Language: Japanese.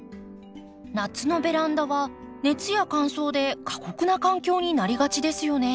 夏のベランダは熱や乾燥で過酷な環境になりがちですよね。